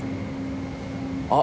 あっ。